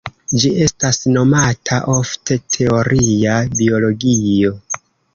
Ĝi estas nomata ofte "Teoria biologio".